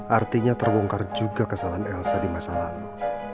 artinya terbongkar juga kesalahan elsa di masa lalu